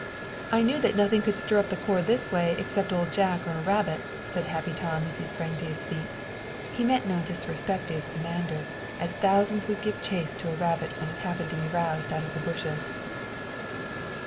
"I knew that nothing could stir up the corps this way except Old Jack or a rabbit," said Happy Tom, as he sprang to his feet he meant no disrespect to his commander, as thousands would give chase to a rabbit when it happened to be roused out of the bushes.